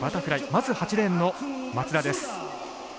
まず８レーンの松田です。